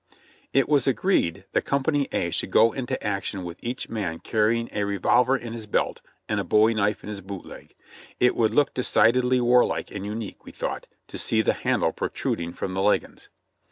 It v;as agreed that Company A should go into action with each man carrying a revolver in his belt and a bowie knife in his boot leg ; it would look decidedly war like and unique, we thought, to see the handle protruding from the leggins.